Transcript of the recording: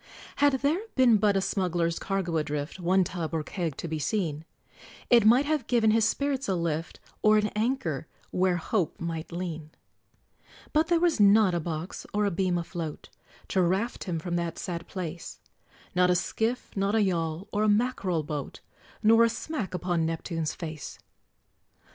Had there been but a smuggler's cargo adrift, One tub, or keg, to be seen, It might have given his spirits a lift Or an anker where Hope might lean! But there was not a box or a beam afloat, To raft him from that sad place; Not a skiff, not a yawl, or a mackerel boat, Nor a smack upon Neptune's face.